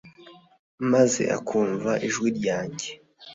maze akumva ijwi ryanjye